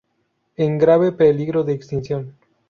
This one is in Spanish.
En grave peligro de extinción.